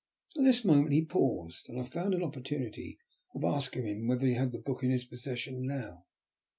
At this moment he paused, and I found an opportunity of asking him whether he had the book in his possession now.